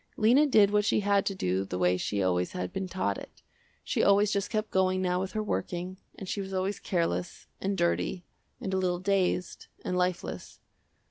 Lena did what she had to do the way she always had been taught it. She always just kept going now with her working, and she was always careless, and dirty, and a little dazed, and lifeless.